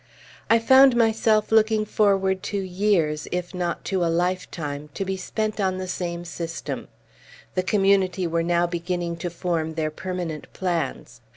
I found myself looking forward to years, if not to a lifetime, to be spent on the same system. The Community were now beginning to form their permanent plans.